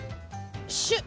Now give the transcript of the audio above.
シュッ！